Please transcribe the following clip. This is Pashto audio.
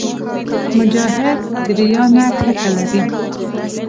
مجاهد د ریا نه کرکه لري.